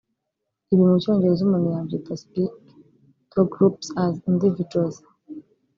Ibi mu cyongereza umuntu yabyita (Speak ToGroups As Individuals)